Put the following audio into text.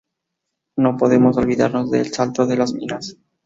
No podemos olvidarnos de El Salto de las Minas.